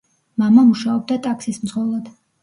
მამა მუშაობდა ტაქსის მძღოლად.